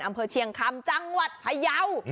อำเภอเชียงคำจังหวัดพยาว